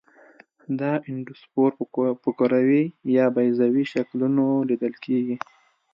دا اندوسپور په کروي یا بیضوي شکلونو لیدل کیږي.